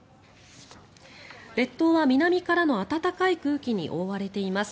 列島は南からの暖かい空気に覆われています。